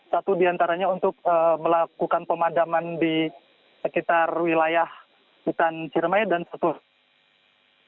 satu diantaranya untuk melakukan pemadaman di sekitar wilayah hutan ciremai dan seterusnya